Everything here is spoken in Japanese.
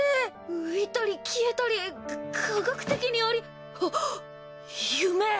浮いたり消えたりか科学的にありえ。